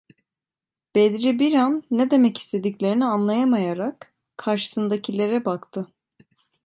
Bedri bir an ne demek istediklerini anlamayarak karşısındakilere baktı.